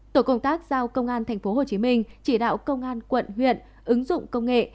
tổ công tác giao công an tp hcm chỉ đạo công an quận huyện ứng dụng công nghệ